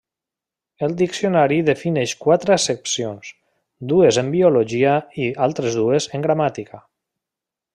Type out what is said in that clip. El diccionari defineix quatre accepcions, dues en biologia i altres dues en gramàtica.